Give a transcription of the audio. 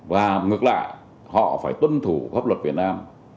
và ngược lại họ phải tuân thủ pháp luật việt nam